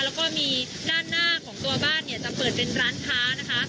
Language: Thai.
แล้วก็มีด้านหน้าของตัวบ้านเนี่ยจะเปิดเป็นร้านค้านะคะ